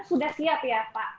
sudah siap ya pak